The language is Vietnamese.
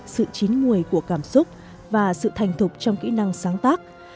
sự chín nguồi của cảm xúc và sự thành thục trong kỹ năng sáng tác